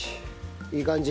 いい感じ。